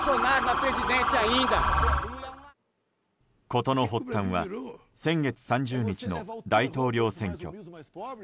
事の発端は先月３０日の大統領選挙。